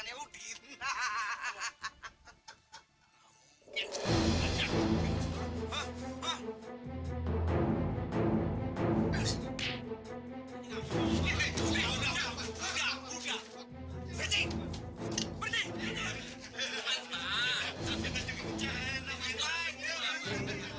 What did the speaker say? dan satu hal lagi